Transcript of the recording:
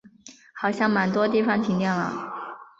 好像蛮多地方停电了